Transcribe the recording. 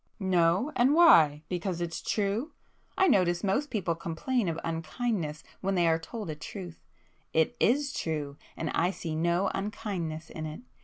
"No? And why? Because it's true? I notice most people complain of 'unkindness' when they are told a truth. It is true, and I see no unkindness in it.